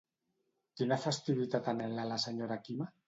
Quina festivitat anhela la senyora Quima?